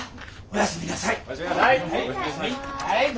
おやすみなさい。